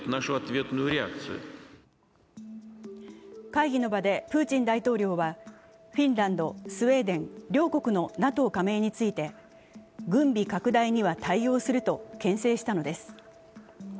会議の場でプーチン大統領はフィンランド、スウェーデン両国のＮＡＴＯ加盟について軍備拡大には対応するとけん制したのです。